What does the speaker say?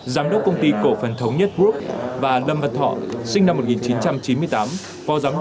giám đốc công ty cổ phần thống nhất group và lâm văn thọ sinh năm một nghìn chín trăm chín mươi tám